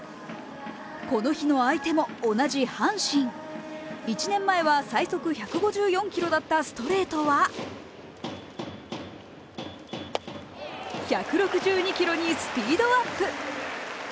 この日の相手も同じ阪神１年前は最速１５４キロだったストレートは１６２キロにスピードアップ。